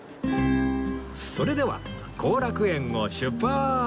それでは後楽園を出発！